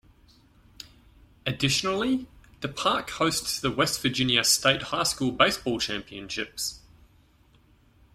Additionally, the park hosts the West Virginia state high school baseball championships.